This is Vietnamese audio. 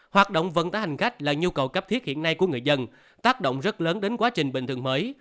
hoạt động vận tải hành khách là nhu cầu cấp thiết hiện nay của người dân tác động rất lớn đến quá trình bình thường mới